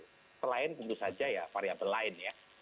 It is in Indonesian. selain tentu saja ya variable lain ya